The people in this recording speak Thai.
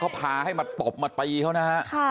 โครงมันพาให้มาตบมาปีเค้านะ